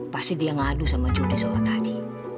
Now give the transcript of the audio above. pasti dia ngadu sama judi soal tadi